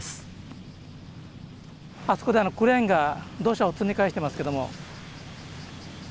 あそこであのクレーンが土砂を積み替えしてますけども。